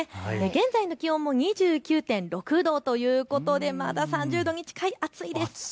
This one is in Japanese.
現在の気温も２９．６度ということでまだ３０度に近い、暑いです。